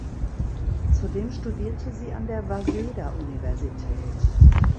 Zudem studierte sie an der Waseda-Universität.